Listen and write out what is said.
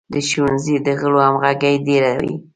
د ښوونځي د غړو همغږي ډیره وي.